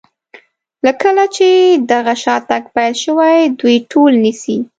له کله چې دغه شاتګ پیل شوی دوی ټول نیسي.